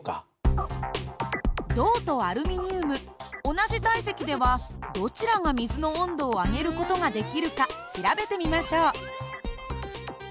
同じ体積ではどちらが水の温度を上げる事ができるか調べてみましょう。